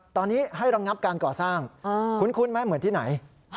ตอนนี้ให้ระงับการก่อสร้างคุ้นไหมเหมือนที่ไหน